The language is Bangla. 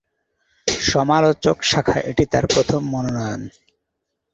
সমালোচক শাখায় এটি তার প্রথম মনোনয়ন।